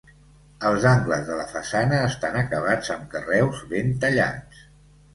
Els angles de la façana estan acabats amb carreus ben tallats.